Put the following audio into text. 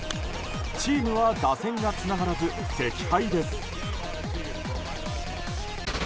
チームは打線がつながらず惜敗です。